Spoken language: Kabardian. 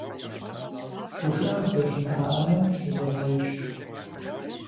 ГушыӀэ здэщымыӀэ Ӏэнэм щысыгъуейщ.